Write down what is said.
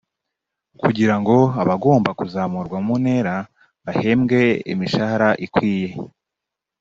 kugira ngo abagomba kuzamurwa mu ntera bahembwe imishahara ikwiye